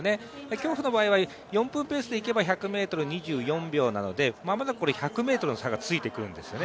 競歩の場合は４分ペースでいけば１００ｍ２４秒なので、まもなく１００ｍの差がついてくるんですよね。